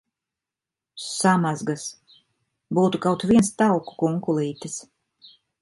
Samazgas! Būtu kaut viens tauku kunkulītis!